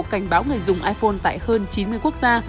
cảnh báo người dùng iphone tại hơn chín mươi quốc gia